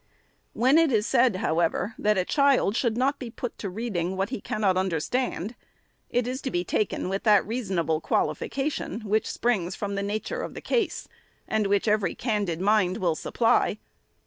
When it is said, however, that a child should not be put to reading what he cannot understand, it is to be taken with that reasonable qualification which springs from the nature of the case, and which every candid mind will supply.